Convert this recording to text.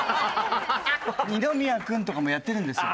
二宮君とかもやってるんですよ。